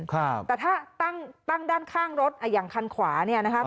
ครับแต่ถ้าตั้งด้านข้างรถอย่างคันขวาเนี้ยนะครับ